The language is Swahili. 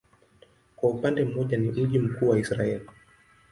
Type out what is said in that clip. Kwa upande mmoja ni mji mkuu wa Israel.